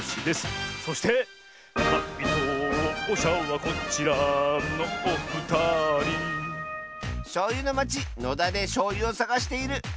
かいとうしゃはこちらのおふたりしょうゆのまちのだでしょうゆをさがしているコシコシコッシーと！